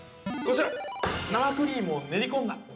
◆生クリームを練り込んだ。